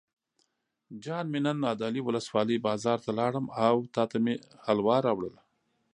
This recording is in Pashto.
جان مې نن نادعلي ولسوالۍ بازار ته لاړم او تاته مې حلوا راوړل.